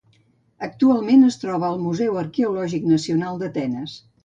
Actualment es troba al Museu Arqueològic Nacional d'Atenes.